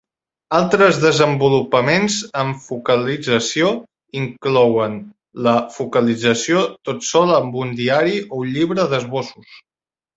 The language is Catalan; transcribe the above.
Altres desenvolupaments en focalització inclouen la focalització tot sol amb un diari o un llibre d'esbossos.